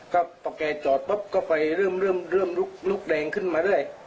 ก็ต่อแก่จอดปุ๊บก็ไฟเรื่องลุกแดงขึ้นมาด้วย